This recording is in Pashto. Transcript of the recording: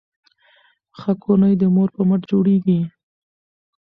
ښه کورنۍ د مور په مټ جوړیږي.